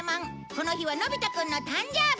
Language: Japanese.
この日はのび太くんの誕生日！